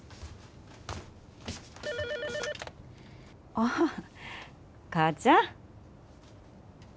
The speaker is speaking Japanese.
☎ああ母ちゃん。